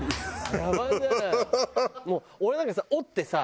もう俺なんかさ折ってさ